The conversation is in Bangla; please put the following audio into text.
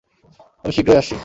আমি শীঘ্রই আসছি।